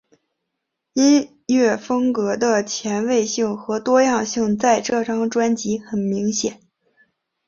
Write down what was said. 音乐风格的前卫性和多样性在这张专辑很明显。